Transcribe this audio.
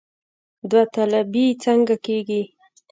داوطلبي څنګه کیږي؟